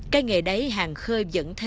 cây nghề đáy hàng khơi vẫn thế